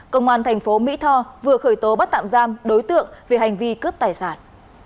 công an thành phố mỹ tho vừa khởi tố bắt tạm giam đối tượng về hành vi cướp tài sản